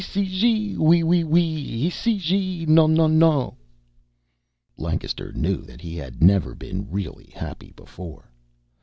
Ici git, oui, oui, oui, Ici git, non, non, non '"_ Lancaster knew that he had never been really happy before.